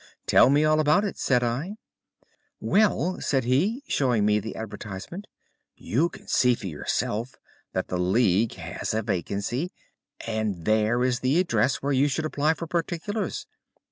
"'Tell me all about it,' said I. "'Well,' said he, showing me the advertisement, 'you can see for yourself that the League has a vacancy, and there is the address where you should apply for particulars.